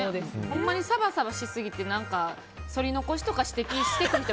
ほまにサバサバしすぎてそり残しとか指摘する人